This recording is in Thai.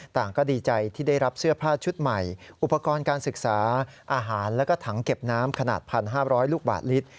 ต่างก็ดีใจที่ได้รับเสื้อผ้าชุดใหม่อุปกรณ์การศึกษาอาหารแล้วก็ถังเก็บน้ำขนาด๑๕๐๐ลูกบาทลิตร